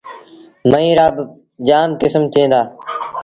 ميݩوهيݩ رآ با جآم ڪسم ٿئيٚݩ دآ۔